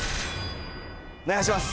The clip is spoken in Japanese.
お願いします。